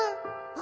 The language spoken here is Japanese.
「あ！」